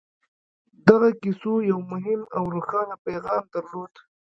دغو کيسو يو مهم او روښانه پيغام درلود.